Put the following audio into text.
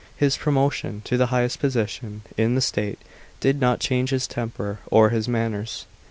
His pro motion to the highest position in the state did not change his temper or his manners.